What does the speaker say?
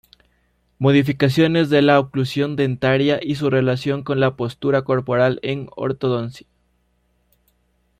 Modificaciones de la oclusión dentaria y su relación con la postura corporal en Ortodoncia.